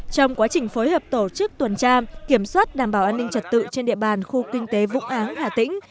trong quá trình phối hợp tổ chức tuần tra kiểm soát đảm bảo an ninh trật tự trên địa bàn khu kinh tế vũng áng hà tĩnh